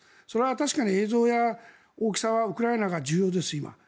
それは確かに映像や大きさはウクライナが重要です、今。